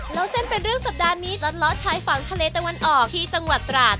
เล่าเส้นเป็นเรื่องสัปดาห์นี้ตัดล้อชายฝั่งทะเลตะวันออกที่จังหวัดตราด